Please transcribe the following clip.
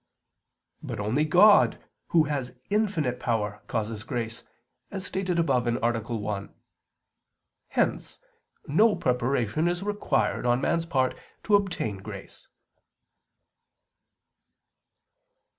But only God, Who has infinite power, causes grace, as stated above (A. 1). Hence no preparation is required on man's part to obtain grace.